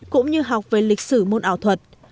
cũng như học về lịch sử môn ảo thuật